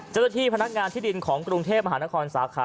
เจ้าหน้าที่พนักงานที่ดินของกรุงเทพมหานครสาขา